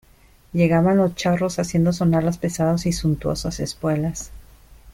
llegaban los charros haciendo sonar las pesadas y suntuosas espuelas,